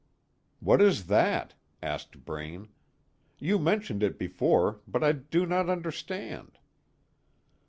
"What is that?" asked Braine. "You mentioned it before, but I do not understand."